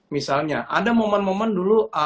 misalnya ada momen momen dulu